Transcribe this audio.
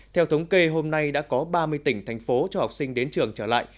theo thống kê hôm nay đã có ba mươi tỉnh thành phố cho học sinh đến trường trở lại